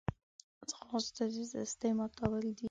ځغاسته د سستۍ ماتول دي